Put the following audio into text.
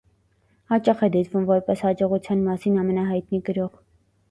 Հաճախ է դիտվում որպես հաջողության մասին ամենահայտնի գրող։